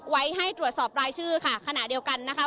ไว้ให้ตรวจสอบรายชื่อค่ะขณะเดียวกันนะคะ